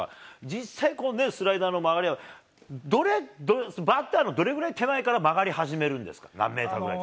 実際、スライダーの曲がりは、バッターのどれぐらい手前から曲がり始めるんですか？